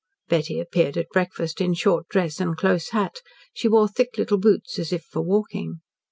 Betty appeared at breakfast in short dress and close hat. She wore thick little boots, as if for walking.